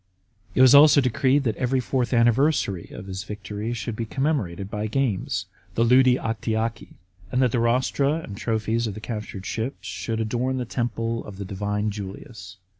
It was also decreed that every fourth anniversary of his victory should be commemorated by games (ludi Actiaci) ; and that the rostra and trophies of the captured ships should adorn the temple of the divine Julius.